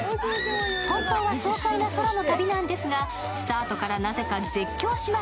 本当は爽快な空の旅なんですがスタートからなぜか絶叫しま